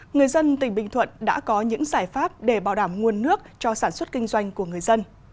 người dân tỉnh bình thuận đã có những giải pháp để bảo đảm nguồn nước cho sản xuất kinh doanh của người dân